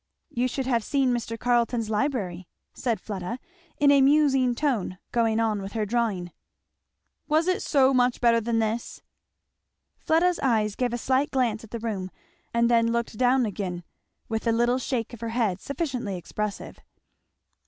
"You should have seen Mr. Carleton's library," said Fleda in a musing tone, going on with her drawing. "Was it so much better than this?" Fleda's eyes gave a slight glance at the room and then looked down again with a little shake of her head sufficiently expressive.